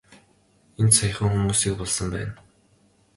Энд саяхан хүмүүсийг булсан байна.